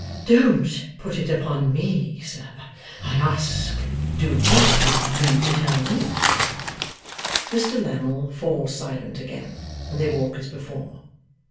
'Don't put it upon ME, sir. I ask you, do YOU mean to tell me?' Mr Lammle falls silent again, and they walk as before.